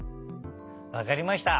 わかりました。